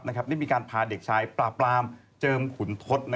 ได้มีการพาเด็กชายปราบรามเจิมขุนทศ